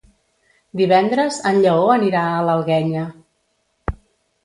Divendres en Lleó anirà a l'Alguenya.